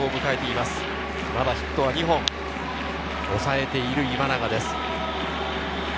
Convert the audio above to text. まだヒットは２本、抑えている今永です。